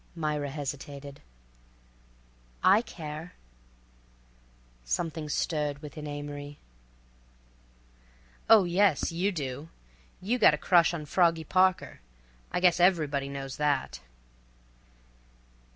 Myra hesitated. "I care." Something stirred within Amory. "Oh, yes, you do! You got a crush on Froggy Parker. I guess everybody knows that."